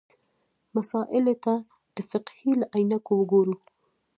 مسألې ته د فقهې له عینکو وګورو.